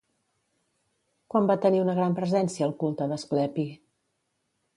Quan va tenir una gran presència el culte d'Asclepi?